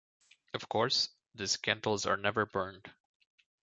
Of course, these candles are never burned.